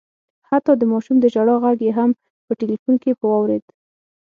حتی د ماشوم د ژړا غږ یې هم په ټلیفون کي په واورېد